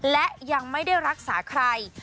และยังไม่ได้รักษาใคร